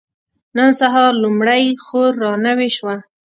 نن سهار لومړۍ خور را نوې شوه.